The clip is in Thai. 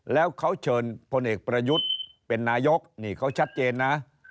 แล้วเขาเชิญพลเอกประยุทธ์เป็นนายกนี่เขาชัดเจนนะ